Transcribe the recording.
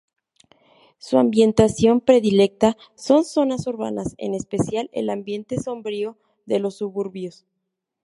Su ambientación predilecta son zonas urbanas, en especial el ambiente sombrío de los suburbios.